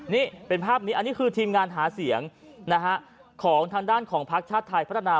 นี่เป็นภาพนี้อันนี้คือทีมงานหาเสียงของทางด้านของพักชาติไทยพัฒนา